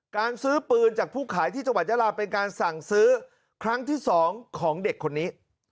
การซื้อปืนจากผู้ขายที่จังหวัดยาลาเป็นการสั่งซื้อครั้งที่๒ของเด็กคนนี้